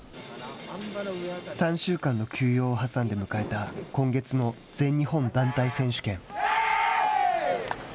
３週間の休養を挟んで迎えた今月の全日本団体選手権。